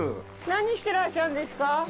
何してらっしゃるんですか？